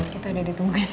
kita udah ditungguin